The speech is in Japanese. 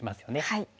はい。